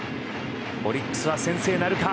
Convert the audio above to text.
オリックスは先制なるか。